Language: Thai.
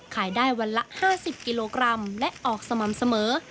ขายได้วันละ๕๐กิโลกรัมและออกสม่ำเสมอ